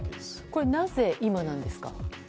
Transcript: これは、なぜ今なんですか？